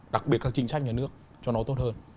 đặc biệt các chính sách nhà nước cho nó tốt hơn